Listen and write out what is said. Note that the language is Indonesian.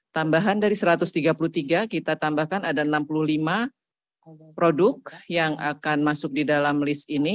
tambahan dari satu ratus tiga puluh tiga kita tambahkan ada enam puluh lima produk yang akan masuk di dalam list ini